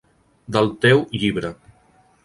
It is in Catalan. Del "teu" llibre!".